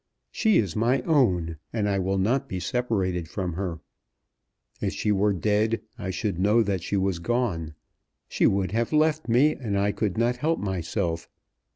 She is my own, and I will not be separated from her. If she were dead, I should know that she was gone. She would have left me, and I could not help myself.